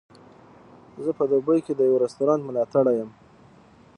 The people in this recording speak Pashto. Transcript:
زه په دوبۍ کې د یوه رستورانت ملاتړی یم.